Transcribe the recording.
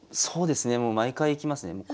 そうですねもう毎回行きますね。